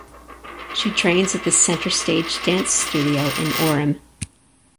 She trains at the Center Stage dance studio in Orem.